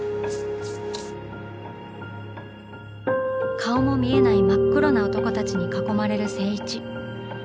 顔も見えない真っ黒な男たちに囲まれる静一。